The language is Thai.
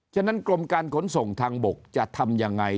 ฉะนั้นกรมการขนส่งทางบกจะทำยังไง